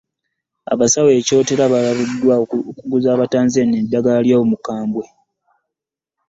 Abasawo e Kyotera balabuddwa ku kuguza Abatanzania eddagala lya Omukambwe